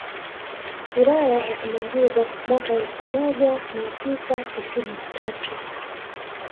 Wilaya ya Simanjiro mwaka elfu moja mia tisa tisini na tatu